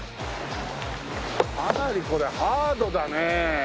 かなりこれハードだねえ。